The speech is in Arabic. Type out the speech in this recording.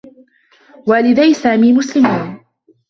والدي سامي مسلمون.